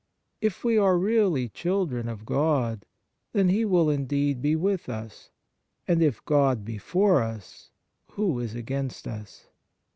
If we are really children of God, then He will indeed be with us, and, " if God be for us, who is against us